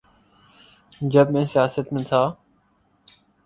جب میں سیاست میں تھا۔